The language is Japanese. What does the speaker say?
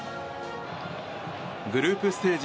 グループステージ